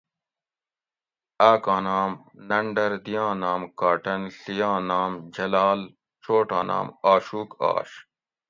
آکاں نام ننڈر دیاں نام کاٹن ڷی آن نام جلال چوٹاں نام آشوک آش